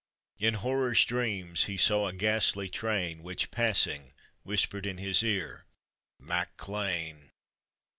" In horror's dreams he saw a ghastly train, Which, passing, whispered in his ear, "Mac Lean !"